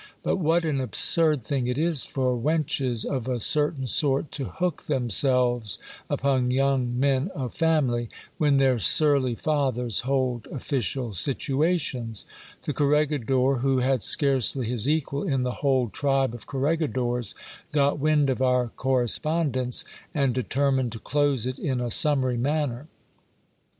But what an absurd thing it is for wenches of a certain sort to hook themselves upon young men of family, when their surly fathers hold official situations ! The corregidor, who had scarcely his equal in the whole tribe of corregidors, got wind of our corre spondence, and determined to close it in a summary manner.